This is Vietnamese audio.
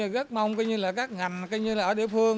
rất mong các ngành ở địa phương